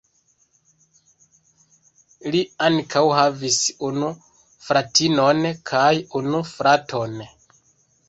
Li ankaŭ havis unu fratinon kaj unu fraton.